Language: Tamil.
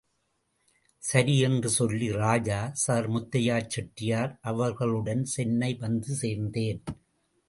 சரி என்று சொல்லி ராஜா சர் முத்தையா செட்டியார் அவர்களுடன் சென்னை வந்து சேர்ந்தேன்.